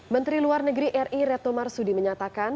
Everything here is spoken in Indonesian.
menteri luar negeri ri retno marsudi menyatakan